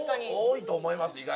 多いと思います